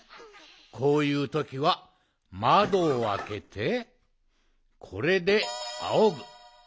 こういうときはまどをあけてこれであおぐ。